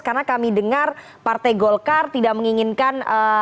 karena kami dengar partai golkar tidak menginginkan